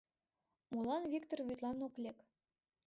— Молан Виктыр вӱдлан ок лек?